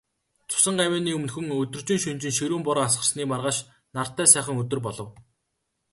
Цусан гавьяаны өмнөхөн, өдөржин, шөнөжин ширүүн бороо асгарсны маргааш нартай сайхан өдөр болов.